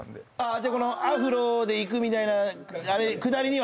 じゃあこのアフロでいくみたいなくだりには。